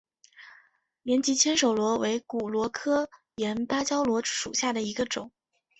岩棘千手螺为骨螺科岩芭蕉螺属下的一个种。